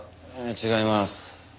違います。